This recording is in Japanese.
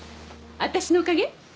私のおかげ？